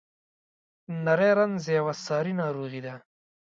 نری رنځ یوه ساري ناروغي ده.